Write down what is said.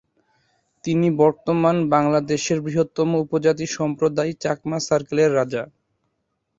তিনি বর্তমান বাংলাদেশের বৃহত্তম উপজাতি সম্প্রদায় চাকমা সার্কেলের রাজা।